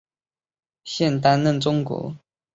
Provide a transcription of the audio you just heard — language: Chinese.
现担任中国超级足球联赛球队贵州智诚主教练。